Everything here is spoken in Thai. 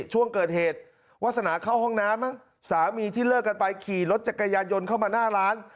ช่วงเกิดเหตุวาสนาเข้าห้องน้ำมั้งสามีที่เลิกกันไปขี่รถจักรยานยนต์เข้ามาหน้าร้าน